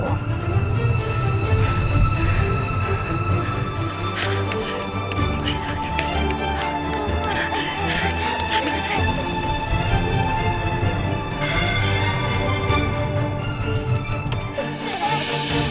hanya saja ter joyce nangis